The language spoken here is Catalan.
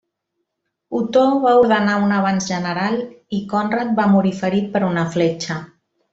Otó va ordenar un avanç general i Conrad va morir ferit per una fletxa.